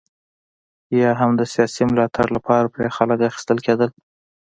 یا هم د سیاسي ملاتړ لپاره پرې خلک اخیستل کېدل.